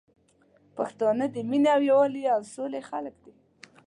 پښتانه د مينې او یوالي او سولي خلګ دي